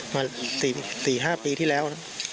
มา๔๕ปีที่แล้วนะ